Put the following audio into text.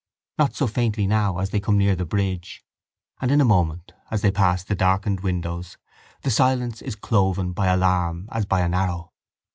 Not so faintly now as they come near the bridge; and in a moment, as they pass the darkened windows, the silence is cloven by alarm as by an arrow.